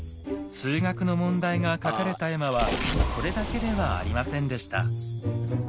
数学の問題が書かれた絵馬はこれだけではありませんでした。